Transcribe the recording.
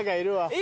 え！